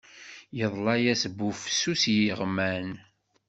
Iḍla-yas bufsus yeɣman.